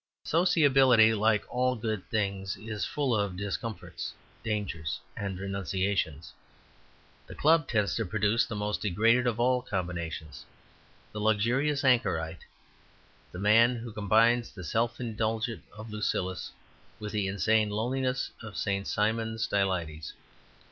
Sociability, like all good things, is full of discomforts, dangers, and renunciations. The club tends to produce the most degraded of all combinations the luxurious anchorite, the man who combines the self indulgence of Lucullus with the insane loneliness of St. Simeon Stylites.